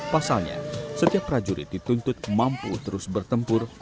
pasalnya setiap prajurit dituntut mampu terus bertempur